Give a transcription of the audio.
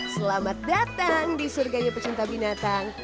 selamat datang di surganya pecinta binatang